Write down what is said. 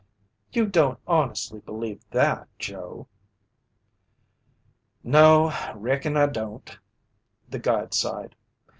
"You don't honestly believe that, Joe." "No, reckon I don't," the guide sighed.